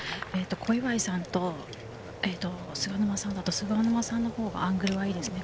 小祝さんと菅沼さんだと、菅沼さんのほうがアングルはいいですね。